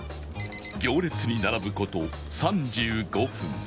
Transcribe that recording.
行列に並ぶ事３５分